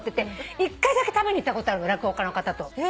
一回だけ食べに行ったことあるの落語家の方と。